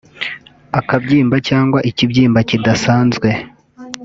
akabyimba cyangwa ikibyimba kidasanzwe